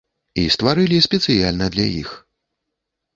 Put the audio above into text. І стварылі спецыяльна для іх.